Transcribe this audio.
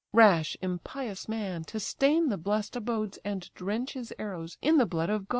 Rash, impious man! to stain the bless'd abodes, And drench his arrows in the blood of gods!